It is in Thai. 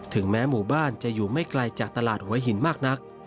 แม้หมู่บ้านจะอยู่ไม่ไกลจากตลาดหัวหินมากนัก